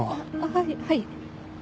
はいはい。